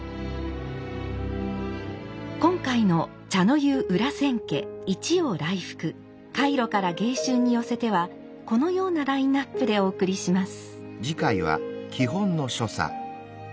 今回の「茶の湯裏千家一陽来復開炉から迎春に寄せて」はこのようなラインナップでお送りします。